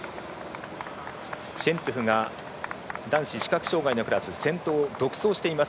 シェントゥフが男子視覚障がいのクラス先頭を独走しています。